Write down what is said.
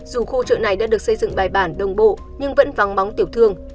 dù khu chợ này đã được xây dựng bài bản đồng bộ nhưng vẫn vắng bóng tiểu thương